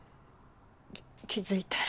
気付いたら。